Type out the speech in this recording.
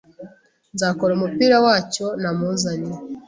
Nzakora umupira wacyo namuzanye